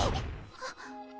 あっ。